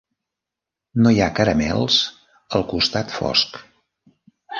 No hi ha caramels al costat fosc.